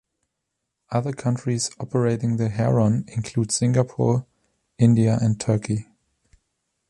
Other countries operating the Heron include Singapore, India and Turkey.